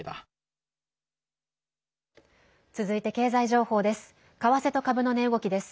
続いて経済情報です。